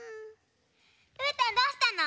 うーたんどうしたの？